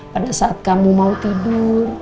pada saat kamu mau tidur